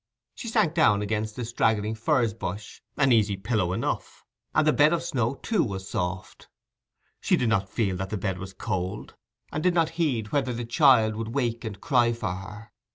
She sank down against a straggling furze bush, an easy pillow enough; and the bed of snow, too, was soft. She did not feel that the bed was cold, and did not heed whether the child would wake and cry for her.